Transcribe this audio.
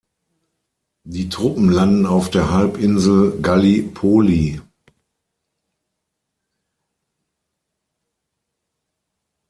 Die Truppen landen auf der Halbinsel Gallipoli.